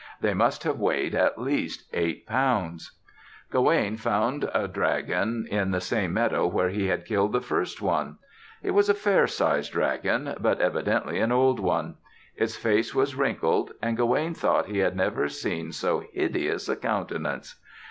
They must have weighed at least eight pounds. Gawaine found a dragon in the same meadow where he had killed the first one. It was a fair sized dragon, but evidently an old one. Its face was wrinkled and Gawaine thought he had never seen so hideous a countenance.